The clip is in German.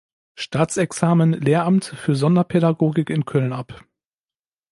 Staatsexamen Lehramt für Sonderpädagogik in Köln ab.